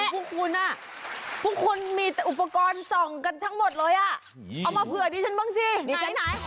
พวกคุณอ่ะพวกคุณมีแต่อุปกรณ์ส่องกันทั้งหมดเลยอ่ะเอามาเผื่อดิฉันบ้างสิ